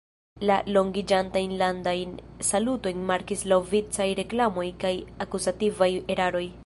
La longiĝantajn landajn salutojn markis laŭvicaj reklamoj kaj akuzativaj eraroj.